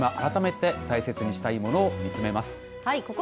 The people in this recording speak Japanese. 今、改めて大切にしたいものを見つめます。